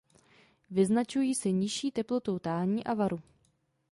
Vyznačují se nižší teplotou tání a varu.